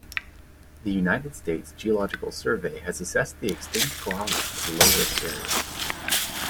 The United States Geological Survey has assessed the extinct Kohala as a low-risk area.